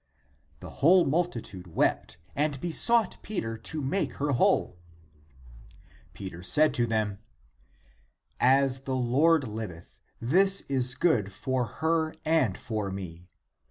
The whole multitude wept and besought Peter to make her whole. 54 THE APOCRYPHAL ACTS Peter said to them :" As the Lord hveth, this is good for her and for me.